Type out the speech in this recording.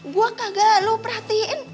gue kagak lo perhatiin